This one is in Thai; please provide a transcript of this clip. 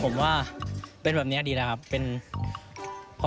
ผมว่าเป็นแบบนี้ดีแล้วครับ